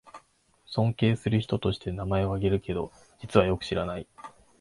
尊敬する人として名前をあげるけど、実はよく知らない